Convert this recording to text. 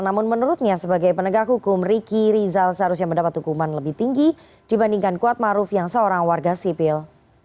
namun menurutnya sebagai penegak hukum riki rizal seharusnya mendapat hukuman lebih tinggi dibandingkan kuat maruf yang seorang warga sipil